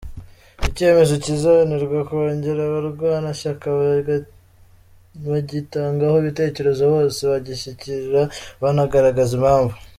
Icyemezo kizanirwa kongere, abarwanashyaka bagitangaho ibitekerezo bose, bagishyigikira banagaragaza impavu.